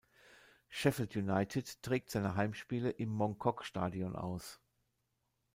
Sheffield United trägt seine Heimspiele im Mong Kok Stadion aus.